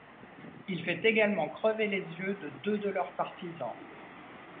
Il fait également crever les yeux de deux de leurs partisans.